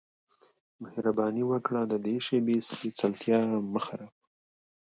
مهرباني وکړه د دې شیبې سپیڅلتیا مه خرابوه